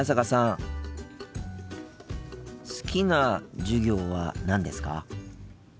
好きな授業は何ですか？